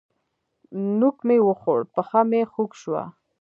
نوک مې وخوړ؛ پښه مې خوږ شوه.